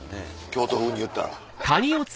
京都風に言ったら。